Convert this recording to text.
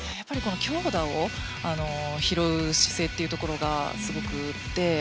強打を拾う姿勢というところがすごくて。